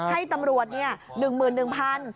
ให้ตำรวจนี่หนึ่งหมื่นหนึ่งพัน